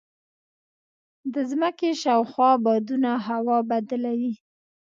د ځمکې شاوخوا بادونه هوا بدله وي.